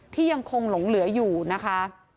ที่ยังคงหลงเหลืออยู่นะคะ